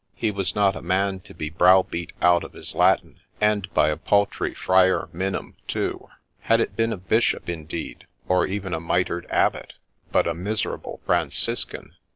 He was not a man to be browbeat out of his Latin, — and by a paltry Friar Minim, too. Had it been a Bishop, indeed, or even a mitred Abbot, — but a miserable Franciscan !